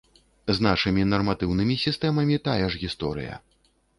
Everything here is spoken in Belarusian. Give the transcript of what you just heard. З нашымі нарматыўнымі сістэмамі тая ж гісторыя.